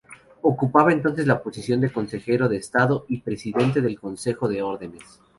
Ocupaba entonces la posición de consejero de estado y presidente del Consejo de Órdenes.